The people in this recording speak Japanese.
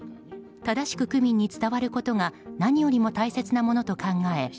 正しく区民に伝わることが何よりも大切と考え